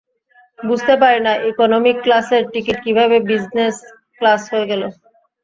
বুঝতে পারি না, ইকোনমিক ক্লাসের টিকিট কীভাবে বিজনেস ক্লাস হয়ে গেল।